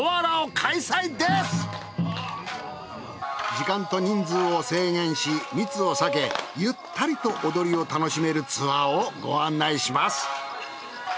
時間と人数を制限し密を避けゆったりと踊りを楽しめるツアーをご案内します。